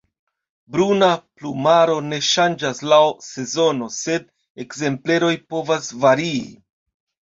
Bruna plumaro ne ŝanĝas laŭ sezono, sed ekzempleroj povas varii.